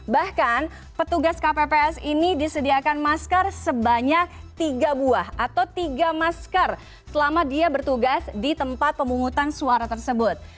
bahkan petugas kpps ini disediakan masker sebanyak tiga buah atau tiga masker selama dia bertugas di tempat pemungutan suara tersebut